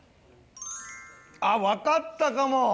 あっ、分かったかも。